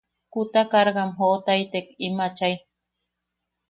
Kuta cargam joʼotaitek im achai.